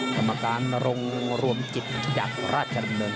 กรรมการนรงรวมจิตจากราชดำเนิน